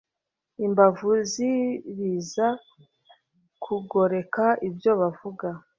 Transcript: imbavu z'ibiza kugoreka ibyo bavuga